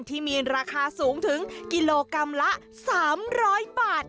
ที่มีราคาสูงถึงกิโลกรัมละ๓๐๐บาท